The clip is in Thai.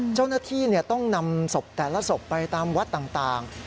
เจ้าหน้าที่ต้องนำศพแต่ละศพไปตามวัดต่าง